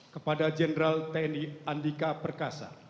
kepada jenderal tni andika perkasa